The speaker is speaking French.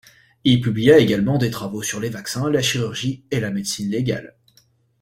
Il publia également des travaux sur les vaccins, la chirurgie et la médecine légale.